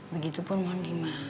begitu pun mondi ma